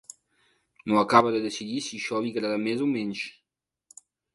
No acaba de decidir si això li agrada més o menys.